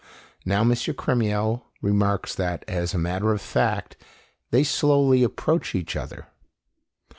Now M. Crémieux remarks that, as a matter of fact, they slowly approach each other.